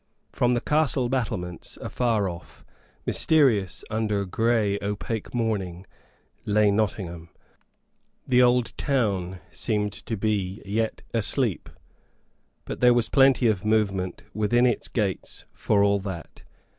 From the castle battlements, afar off, mysterious under grey opaque morning, lay Nottingham. The old town seemed to be yet asleep; but there was plenty of movement within its gates for all that.